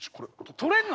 取れんの？